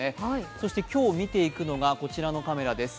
そして今日、見ていくのがこちらのカメラです。